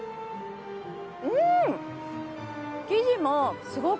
うん！